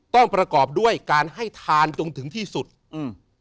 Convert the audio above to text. ประกอบด้วยการให้ทานจนถึงที่สุดอืม